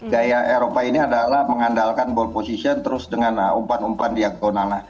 gaya eropa ini adalah mengandalkan ball position terus dengan umpan umpan di agona